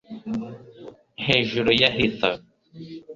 Hejuru ya heather